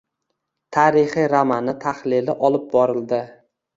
Tarixiy romani tahlili olib borildi.